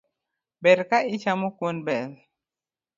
Ber ka ichamo kuon bel